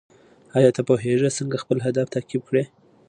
ایا ته پوهېږې څنګه خپل اهداف تعقیب کړې؟